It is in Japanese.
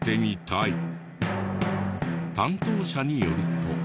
担当者によると。